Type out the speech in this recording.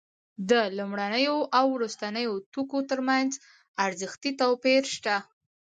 د لومړنیو او وروستیو توکو ترمنځ ارزښتي توپیر شته